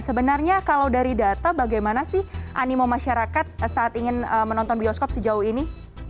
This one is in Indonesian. sebenarnya kalau dari data bagaimana sih animo masyarakat saat ingin menonton bioskop sejauh ini